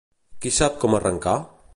Qui sap com arrencar?